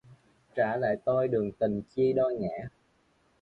Trả lại tôi đường tình chia đôi ngả